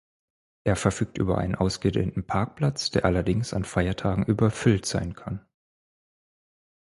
Er verfügt über einen ausgedehnten Parkplatz, der allerdings an Feiertagen überfüllt sein kann.